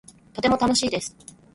とても楽しいです